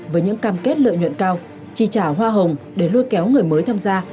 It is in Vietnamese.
với những cam kết lợi nhuận cao chi trả hoa hồng để lôi kéo người mới tham gia